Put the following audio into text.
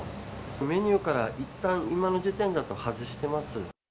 メニューからいったん、今の時点だと外してます。